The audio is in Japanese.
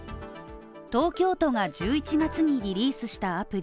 東京都が１１月にリリースしたアプリ